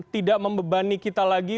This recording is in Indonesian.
tidak membebani kita lagi